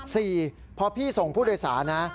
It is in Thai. สี่พอพี่ส่งผู้โดยสารนะ